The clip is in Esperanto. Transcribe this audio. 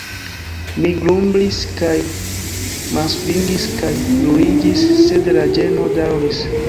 Mi grumblis kaj mansvingis kaj ruliĝis sed la ĝeno daŭris.